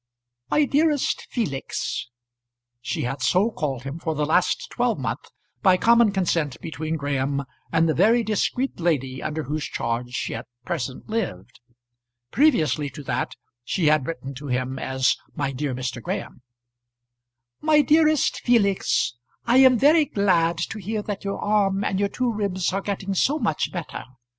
MY DEAREST FELIX, she had so called him for the last twelvemonth by common consent between Graham and the very discreet lady under whose charge she at present lived. Previously to that she had written to him as, My dear Mr. Graham. MY DEAREST FELIX, I am very glad to hear that your arm and your two ribs are getting so much better.